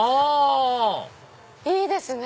いいですね。